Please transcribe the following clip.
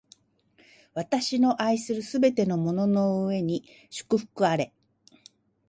私の愛するすべてのものの上に祝福あれ！